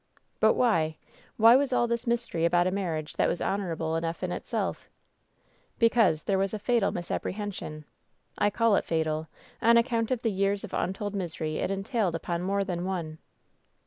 "But why ? Why was all this mystery about a mar riage that was honorable enough in itself ?" "Because there was a fatal misapprehension. I call it fatal, on account of the years of untold misery it en tailed upon more than one."